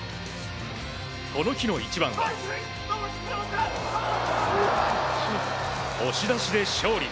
この日の一番は押し出しで勝利。